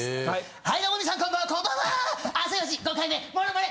はい！